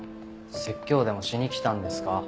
説教でもしに来たんですか？